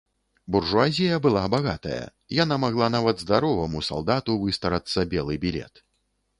Буржуазія была багатая, яна магла нават здароваму салдату выстарацца белы білет.